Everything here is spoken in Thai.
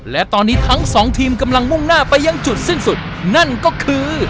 และตอนนี้ทั้งสองทีมกำลังมุ่งหน้าไปยังจุดสิ้นสุดนั่นก็คือ